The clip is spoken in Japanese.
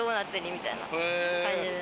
みたいな感じで。